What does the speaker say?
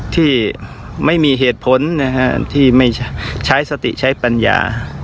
ที่ไม่มีเหตุผลนะฮะที่ไม่ใช้สติใช้ปัญญา